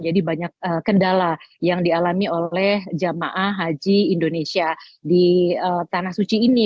jadi banyak kendala yang dialami oleh jemaah haji indonesia di tanah suci ini